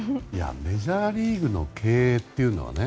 メジャーリーグの経営っていうのはね。